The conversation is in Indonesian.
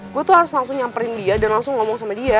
gue tuh harus langsung nyamperin dia dan langsung ngomong sama dia